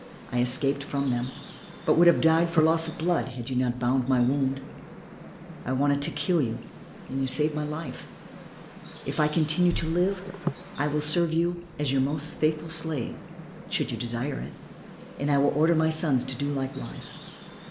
I escaped from them, but would have died from loss of blood had you not bound my wound. I wanted to kill you and you saved my life. If I continue to live I will serve you as your most faithful slave should you desire it, and I will order my sons to do likewise.